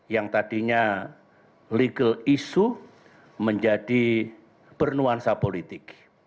yang tadinya legal issue menjadi bernuansa politik